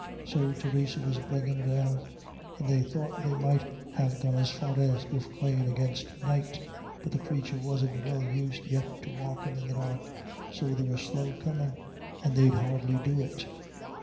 So Theresa was bringing her down, and they thought they might have got as far as Duffclane against night; but the creature wasn't well used yet to walking in the dark, so they were slow coming, and they'd hardly do it.